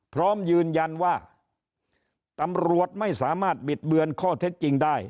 พร้อมยืนยันว่าตำรวจไม่สามารถบิดเบือนข้อเท็จจริงได้